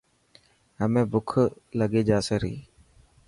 همي بک لکي جاسي ري.